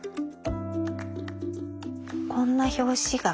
こんな表紙が。